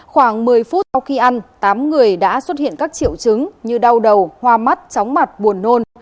khoảng một mươi phút sau khi ăn tám người đã xuất hiện các triệu chứng như đau đầu hoa mắt tróng mặt buồn nôn